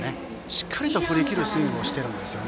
しっかりと振り切るスイングをしているんです。